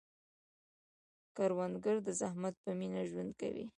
کروندګر د زحمت په مینه ژوند کوي